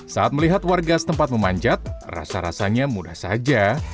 saat melihat warga setempat memanjat rasa rasanya mudah saja